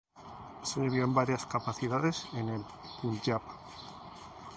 Sirvió en varias capacidades en el Punyab.